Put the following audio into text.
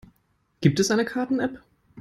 Gibt es eine Karten-App?